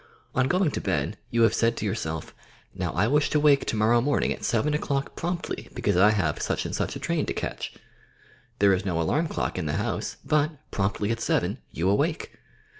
On going to bed, you have said to yourself, "Now I wish to awake tomorrow morn ing at seven o'clock promptly, because I have such and such a train to catch," There is no alarm clock in the house, but, promptly at seven, you awake